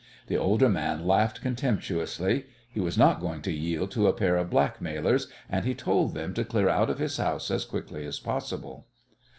The older man laughed contemptuously. He was not going to yield to a pair of blackmailers, and he told them to clear out of his house as quickly as possible.